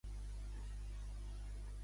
Va morir en la pobresa a Buenos Aires.